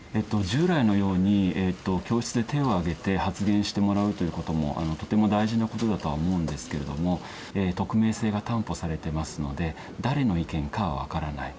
従来のように教室で手を挙げて発言してもらうということもとても大事なことだとは思うんですけれども匿名性が担保されてますので誰の意見かは分からない。